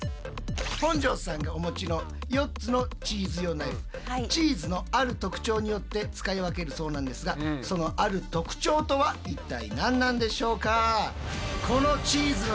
本上さんがお持ちの４つのチーズ用ナイフチーズのある特徴によって使い分けるそうなんですがそのある特徴とは一体何なんでしょうか？